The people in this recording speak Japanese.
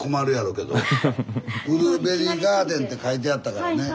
ブルーベリーガーデンって書いてあったからね。